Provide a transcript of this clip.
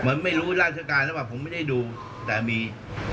เหมือนไม่รู้ราชการแล้วผมไม่ได้ดูแต่มี